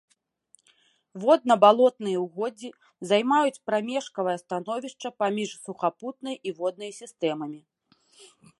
Водна-балотныя ўгоддзі займаюць прамежкавае становішча паміж сухапутнай і воднай сістэмамі.